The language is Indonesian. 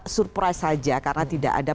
surprise saja karena tidak ada